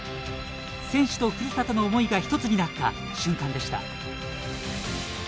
選手とふるさとの思いが一つになった瞬間でした。